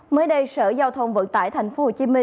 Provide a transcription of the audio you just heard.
mới đây sở giao thông vận tải tp hcm